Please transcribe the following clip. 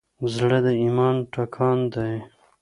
زړه د ایمان ټکان دی.